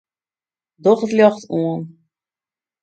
Doch it ljocht oan.